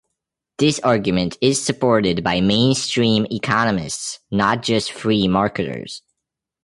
This argument is supported by mainstream economists, not just free marketers.